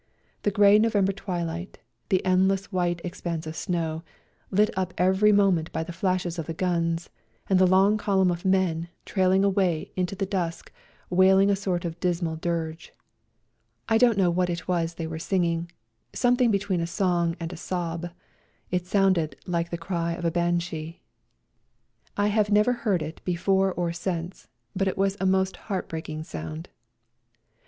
The grey No vember twilight, the endless white ex panse of snow, lit up ev^ry moment by the flashes of the guns, and the long column of men trailing away into the dusk wailing a sort of dismal dirge— I don't know what it was they were singing A RIDE TO KALABAC 71 —something between a song and a sob, it sounded like the cry of a Banshee. I have never heard it before or since, but it was a most heartbreaking sound.